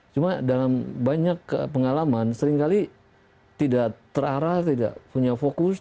cuma dalam banyak pengalaman seringkali tidak terarah tidak punya fokus